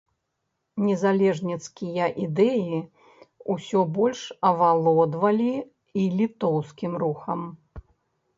Незалежніцкія ідэі ўсё больш авалодвалі і літоўскім рухам.